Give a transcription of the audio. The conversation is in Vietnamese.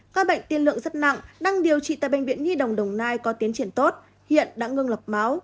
các bệnh tiên lượng rất nặng đang điều trị tại bệnh viện nhi đồng đồng nai có tiến triển tốt hiện đã ngưng lập máu